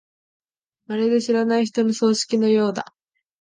まるで知らない人の葬式のようだ。